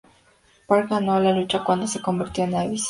Park ganó la lucha cuando se convirtió en Abyss.